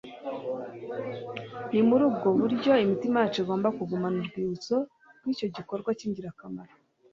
Ni muri ubwo buryo imitima yacu igomba kugumana urwibutso rw'icyo gikorwa cy'ingirakamaro.